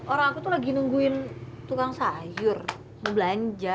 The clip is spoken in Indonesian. orang aku tuh lagi nungguin tukang sayur belanja